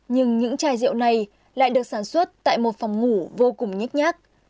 nhưng những chai rượu này lại được sản xuất tại một phòng ngủ vô cùng nhét nhát